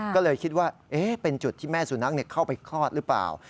ก็เลยคิดว่าเป็นจุดที่แม่สุนัขเข้าไปคลอดหรือเปล่า